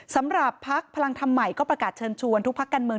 สำหรับภักดิ์พลังทำใหม่ก็ประกาศเชิญชวนทุกภักดิ์กันเมือง